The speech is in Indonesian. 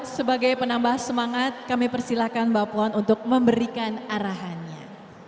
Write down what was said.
sebagai penambah semangat kami persilahkan mbak puan untuk memberikan arahannya